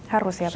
harus ya pak